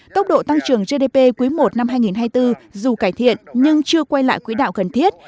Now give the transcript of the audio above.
tốc độ tăng trưởng gdp quý i năm hai nghìn hai mươi bốn dù cải thiện nhưng chưa quay lại quỹ đạo cần thiết